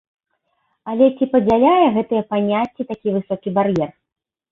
Але ці падзяляе гэтыя паняцці такі высокі бар'ер?